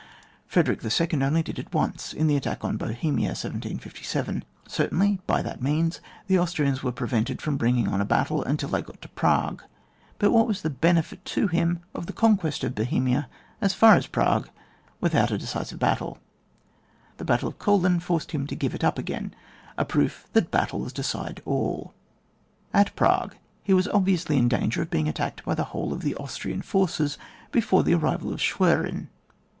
Frederick n. only did it once, in the attack on Bohemia, 1757. Certainly hy that means the Austrians were prevented from bringing on a battle until they got to Prague ; but what was the benefit to him of the conquest of Bohemia as far as Prague, without a decisive battle ? The battle of KoUin forced him to give it up again — a proof that battles decide alL At Prague he was obviously in danger of being attacked by the whole of the Austrian forces before the arrival of Schwerin.